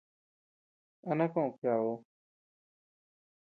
¿A na koʼod kuyadud?